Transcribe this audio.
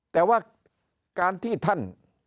แต่ว่าการที่ท่าน